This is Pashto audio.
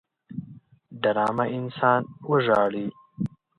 ډرامه انسان وژاړي